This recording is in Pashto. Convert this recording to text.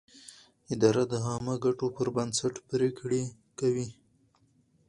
اداره د عامه ګټو پر بنسټ پرېکړې کوي.